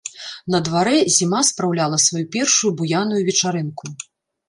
На дварэ зіма спраўляла сваю першую буяную вечарынку.